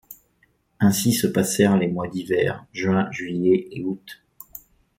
Ainsi se passèrent les mois d’hiver, juin, juillet et août.